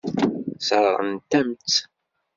Sseṛɣent-am-tt.